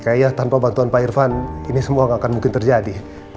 kayaknya tanpa bantuan pak irfan ini semua nggak akan mungkin terjadi